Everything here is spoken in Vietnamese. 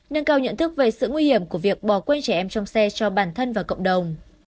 nâng cao nhận thức về sự nguy hiểm của việc bỏ quên trẻ em trong xe cho bản thân và cộng đồng